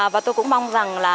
và tôi cũng mong rằng là